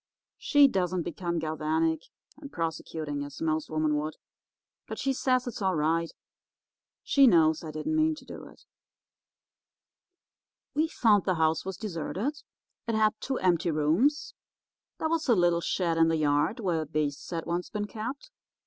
She doesn't become galvanic and prosecuting, as most women would, but she says it's all right; she knows I didn't mean to do it. "We found the house was deserted. It had two empty rooms. There was a little shed in the yard where beasts had once been kept.